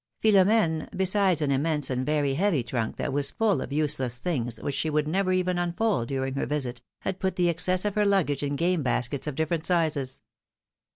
Philom^ne, besides an immense and very heavy trunk that was full of useless things, which she would never even unfold during her visit, had put the excess of her luggage in game baskets of different sizes.